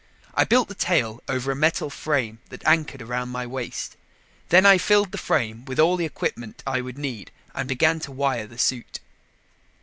I built the tail over a metal frame that anchored around my waist. Then I filled the frame with all the equipment I would need and began to wire the suit.